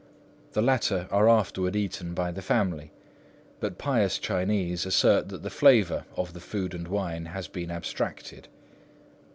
The latter are afterward eaten by the family; but pious Chinese assert that the flavour of the food and wine has been abstracted.